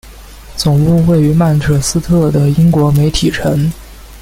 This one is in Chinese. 总部位于曼彻斯特的英国媒体城。